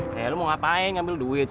kayaknya lu mau ngapain ambil duit